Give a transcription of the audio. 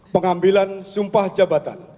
pengambilan sumpah jabatan